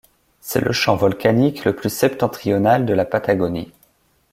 C'est le champ volcanique le plus septentrional de la Patagonie.